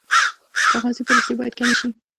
کاغذي پروسې باید کمې شي